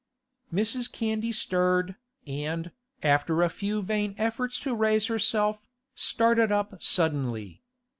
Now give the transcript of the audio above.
Mrs. Candy stirred, and, after a few vain efforts to raise herself, started up suddenly.